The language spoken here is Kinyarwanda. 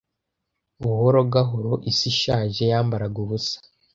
Buhoro, gahoro isi ishaje yambaraga ubusa ,